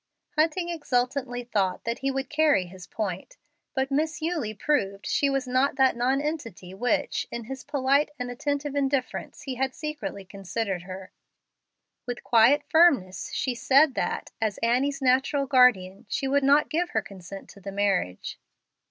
Hunting exultantly thought that he would carry his point, but Miss Eulie proved she was not that nonentity which, in his polite and attentive indifference, he had secretly considered her. With quiet firmness she said that, as Annie's natural guardian, she would not give her consent to the marriage.